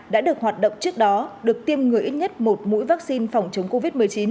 đã được hoạt động trước đó được tiêm ngừa ít nhất một mũi vaccine phòng chống covid một mươi chín